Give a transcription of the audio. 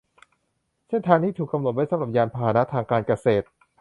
เส้นทางนี้ถูกกำหนดไว้สำหรับยานพาหนะทางการเกษตร